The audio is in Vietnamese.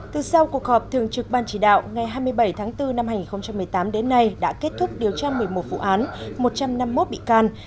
từ sau cuộc họp thường trực ban chỉ đạo ngày hai mươi bảy tháng bốn năm hai nghìn một mươi tám đến nay đã kết thúc điều tra một mươi một vụ án một trăm năm mươi một bị can